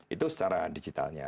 itu secara digitalnya